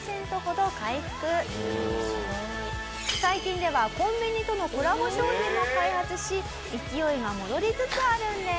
すごい。最近ではコンビニとのコラボ商品も開発し勢いが戻りつつあるんです。